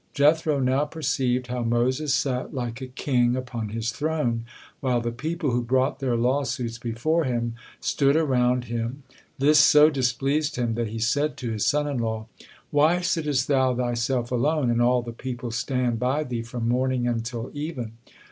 Jethro now perceived how Moses sat like a king upon his throne, while the people, who brought their lawsuits before him, stood around him. This so displeased him that he said to his son in law: "Why sittest thou thyself alone, and all the people stand by thee from morning until even?"